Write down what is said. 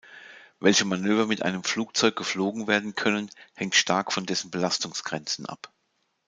Welche Manöver mit einem Flugzeug geflogen werden können, hängt stark von dessen Belastungsgrenzen ab.